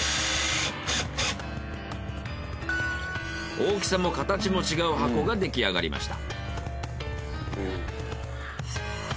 大きさも形も違う箱が出来上がりました。